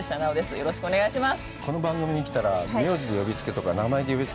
よろしくお願いします。